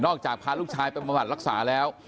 นอกจากพาลูกชายไปประมาทรักษาแล้ว